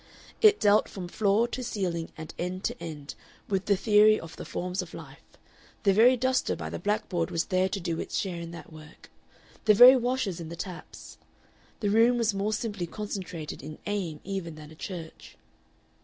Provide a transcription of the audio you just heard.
It dealt from floor to ceiling and end to end with the Theory of the Forms of Life; the very duster by the blackboard was there to do its share in that work, the very washers in the taps; the room was more simply concentrated in aim even than a church.